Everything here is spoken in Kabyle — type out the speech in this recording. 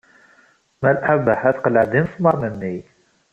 Malḥa Baḥa teqleɛ-d imesmaṛen-nni.